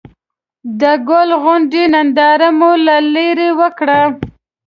د ګل غونډۍ ننداره مو له ليرې وکړه.